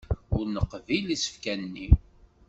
Ur neqbil isefka-nni.